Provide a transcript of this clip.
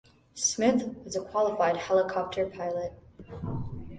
Smith was a qualified helicopter pilot.